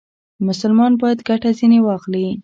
مسلمان باید ګټه ځنې واخلي.